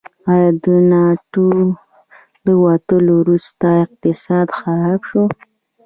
آیا د ناټو د وتلو وروسته اقتصاد خراب شو؟